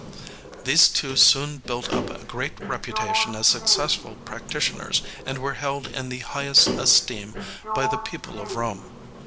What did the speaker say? These two soon built up a great reputation as successful practitioners, and were held in the highest esteem by the people of Rome.